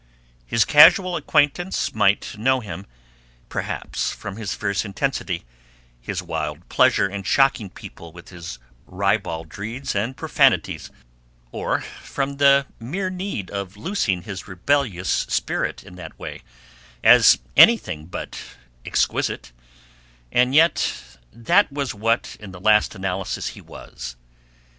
His casual acquaintance might know him, perhaps, from his fierce intensity, his wild pleasure in shocking people with his ribaldries and profanities, or from the mere need of loosing his rebellious spirit in that way, as anything but exquisite, and yet that was what in the last analysis he was.